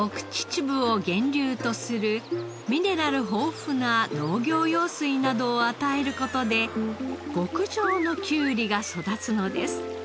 秩父を源流とするミネラル豊富な農業用水などを与える事で極上のきゅうりが育つのです。